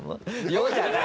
「よっ」じゃない。